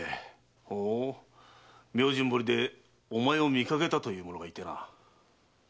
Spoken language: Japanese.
ほう明神堀でお前を見かけたという者がいてな。